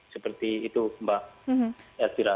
seperti itu mbak